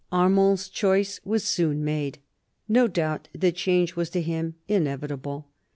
Armand's choice was soon made. No doubt the change was to him inevitable.